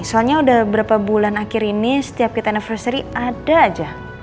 soalnya udah berapa bulan akhir ini setiap kita neversary ada aja